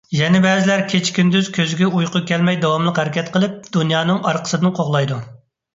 يەنە بەزىلەر كېچە-كۈندۈز كۆزىگە ئۇيقۇ كەلمەي داۋاملىق ھەرىكەت قىلىپ دۇنيانىڭ ئارقىسىدىن قوغلايدۇ.